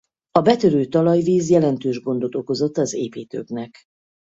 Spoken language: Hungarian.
A betörő talajvíz jelentős gondot okozott az építőknek.